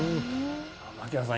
槙原さん